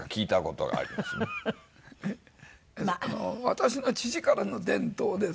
私の父からの伝統です。